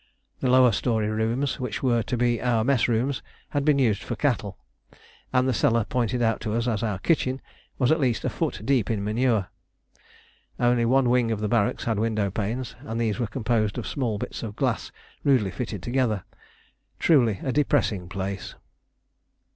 The lower storey rooms, which were to be our mess rooms, had been used for cattle, and the cellar pointed out to us as our kitchen was at least a foot deep in manure. Only one wing of the barracks had window panes, and these were composed of small bits of glass rudely fitted together. Truly a depressing place.